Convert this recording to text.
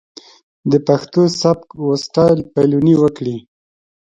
د پښتو سبک و سټايل پليوني وکړي.